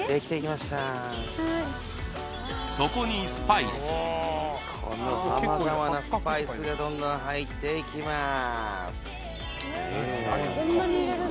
はいそこにスパイスこの様々なスパイスがどんどん入っていきます